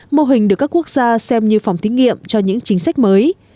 mô hình được các quốc gia xem như phòng thí nghiệm cho những chính sách mới